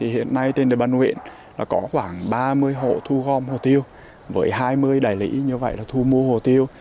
hiện nay trên địa bàn huyện có khoảng ba mươi hộ thu gom hồ tiêu với hai mươi đại lý thu mua hồ tiêu